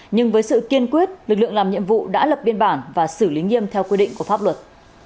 nhưng với sự kiên quyết lực lượng làm nhiệm vụ đã lập biên bản và xử lý nghiêm theo quy định của pháp luật